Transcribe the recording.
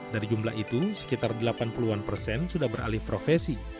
dari jumlah itu sekitar delapan puluh an persen sudah beralih profesi